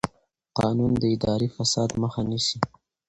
قانون د اداري فساد مخه نیسي.